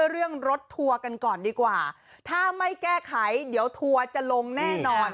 เรื่องรถทัวร์กันก่อนดีกว่าถ้าไม่แก้ไขเดี๋ยวทัวร์จะลงแน่นอน